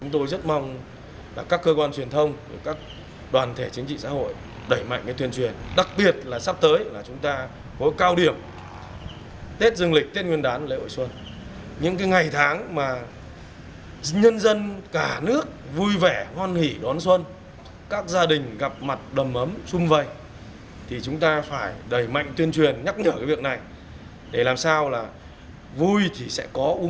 thì chúng ta phải đẩy mạnh tuyên truyền nhắc nhở cái việc này để làm sao là vui thì sẽ có uống rượu nhưng thực kiện là đã uống rượu bia thì không ngại xe